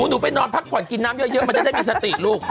หนูไปนอนพักผ่อนกินน้ำเยอะมันจะได้มีสติลูก